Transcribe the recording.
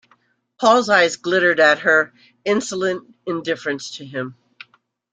Paul’s eyes glittered at her insolent indifference to him.